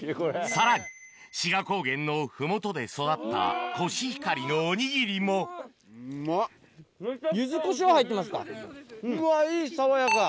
さらに志賀高原の麓で育ったコシヒカリのおにぎりもうわいい爽やか！